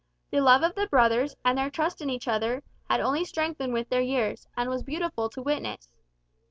The love of the brothers, and their trust in each other, had only strengthened with their years, and was beautiful to witness.